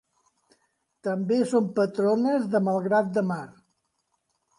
També són patrones de Malgrat de Mar.